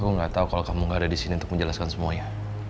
aku nggak tahu kalau kamu gak ada di sini untuk menjelaskan semuanya